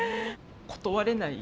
断れない？